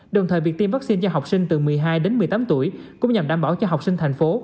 đồng thời việc tiêm vaccine cho học sinh từ một mươi hai đến một mươi tám tuổi cũng nhằm đảm bảo cho học sinh thành phố